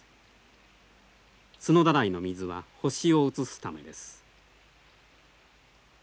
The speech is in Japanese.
角だらいの水は星を映すためです。